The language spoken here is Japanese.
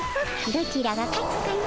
どちらが勝つかの。